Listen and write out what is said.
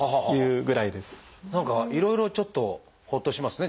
何かいろいろちょっとほっとしますね。